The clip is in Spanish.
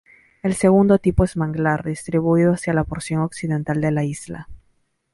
El segundo tipo es manglar, distribuido hacia la porción occidental de la isla.